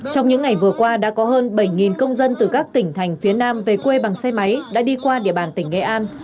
trong những ngày vừa qua đã có hơn bảy công dân từ các tỉnh thành phía nam về quê bằng xe máy đã đi qua địa bàn tỉnh nghệ an